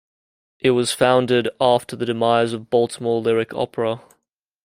It was founded after the demise of Baltimore Lyric Opera.